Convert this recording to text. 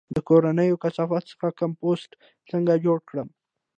د کورنیو کثافاتو څخه کمپوسټ څنګه جوړ کړم؟